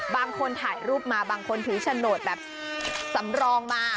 บางคนถ่ายรูปมาบางคนถือโฉนดแบบสำรองมา